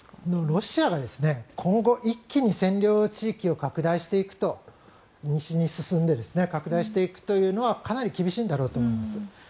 ロシアが今後一気に占領地域を拡大していくと、西に進んで拡大していくというのはかなり厳しいんだろうと思います。